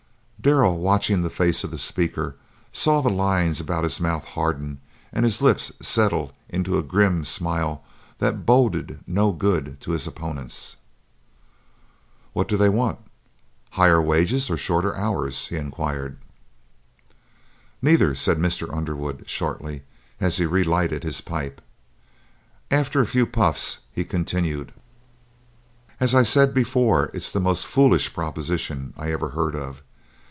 Darrell, watching the face of the speaker, saw the lines about his mouth harden and his lips settle into a grim smile that boded no good to his opponents. "What do they want higher wages or shorter hours?" he inquired. "Neither," said Mr. Underwood, shortly, as he re lighted his pipe. After a few puffs he continued: "As I said before, it's the most foolish proposition I ever heard of.